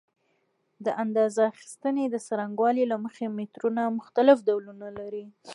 د اندازه اخیستنې د څرنګوالي له مخې مترونه مختلف ډولونه لري.